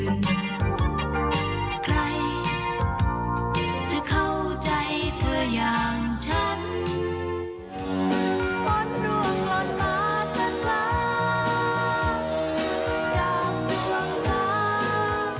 ในปี๒๕๔๖